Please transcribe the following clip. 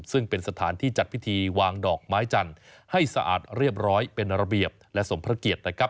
ซึ่งเป็นสถานที่จัดพิธีวางดอกไม้จันทร์ให้สะอาดเรียบร้อยเป็นระเบียบและสมพระเกียรตินะครับ